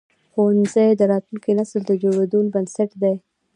ښوونځي د راتلونکي نسل د جوړېدو بنسټ دي.